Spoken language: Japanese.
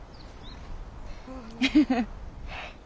フフフッ。